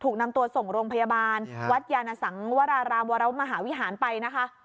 นำตัวส่งโรงพยาบาลวัดยานสังวรารามวรมหาวิหารไปนะคะ